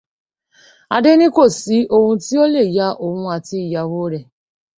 Adé ní kò sí ohun tí ó lè ya òhun àti ìyàwó rẹ̀.